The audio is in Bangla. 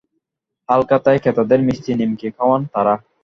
হালখাতায় ক্রেতাদের মিষ্টি নিমকি খাওয়ান তাঁরা।